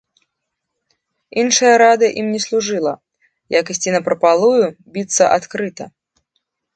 Іншая рада ім не служыла, як ісці напрапалую, біцца адкрыта.